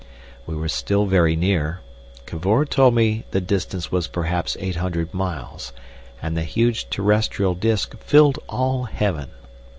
We were still very near—Cavor told me the distance was perhaps eight hundred miles and the huge terrestrial disc filled all heaven.